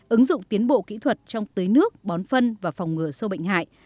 ứng dụng tiến bộ kỹ thuật trong tưới nước bón phân và phòng ngừa sâu bệnh hại